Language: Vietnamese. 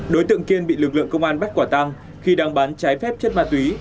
đối tượng kiên bị lực lượng công an bắt quả tăng khi đang bán trái phép chất ma túy